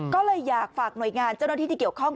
ก็เลยอยากฝากหน่วยงานเจ้าหน้าที่ที่เกี่ยวข้อง